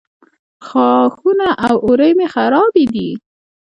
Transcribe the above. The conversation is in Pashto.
غاښونه او اورۍ مې خرابې دي